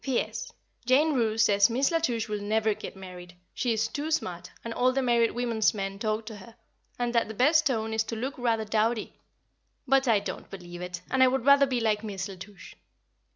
P.S. Jane Roose says Miss La Touche will never get married; she is too smart, and all the married women's men talk to her, and that the best tone is to look rather dowdy; but I don't believe it, and I would rather be like Miss La Touche. E.